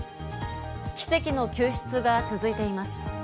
奇跡の救出が続いています。